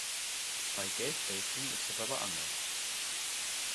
Bei Geldfälschung ist das aber anders.